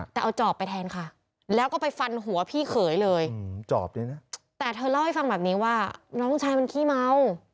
แต่เธอเล่าให้ฟังแบบนี้ว่าน้องชายมันขี้เมา